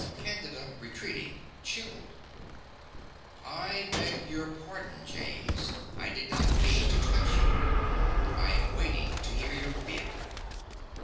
CANDIDA (retreating, chilled). I beg your pardon, James; I did not mean to touch you. I am waiting to hear your bid.